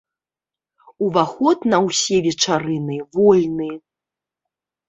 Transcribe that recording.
Уваход на ўсе вечарыны вольны.